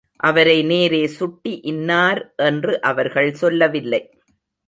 அவரை நேரே சுட்டி இன்னார் என்று அவர்கள் சொல்லவில்லை.